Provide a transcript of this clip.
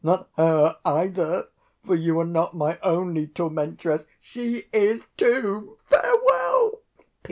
Not her either, for you are not my only tormentress; she is too. Farewell!